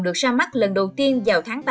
được ra mắt lần đầu tiên vào tháng ba